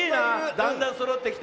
だんだんそろってきた。